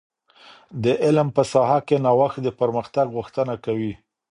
د علم په ساحه کي نوښت د پرمختګ غوښتنه کوي.